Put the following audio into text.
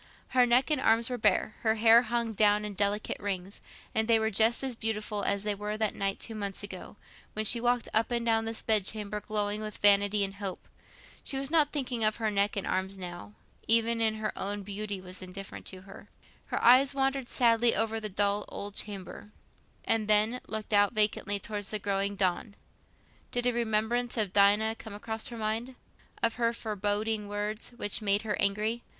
Her neck and arms were bare, her hair hung down in delicate rings—and they were just as beautiful as they were that night two months ago, when she walked up and down this bed chamber glowing with vanity and hope. She was not thinking of her neck and arms now; even her own beauty was indifferent to her. Her eyes wandered sadly over the dull old chamber, and then looked out vacantly towards the growing dawn. Did a remembrance of Dinah come across her mind? Of her foreboding words, which had made her angry?